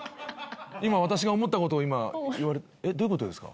今私が思ったことを今言われえっどういうことですか？